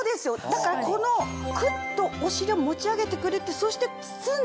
だからこのクッとお尻を持ち上げてくれてそして包んでくれる。